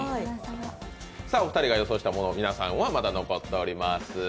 お二人が予想したもの以外、皆さんは残っております。